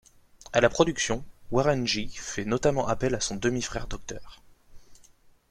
À la production, Warren G fait notamment appel à son demi-frère Dr.